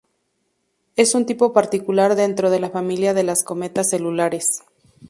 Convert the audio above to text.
Es un tipo particular dentro de la familia de las cometas celulares.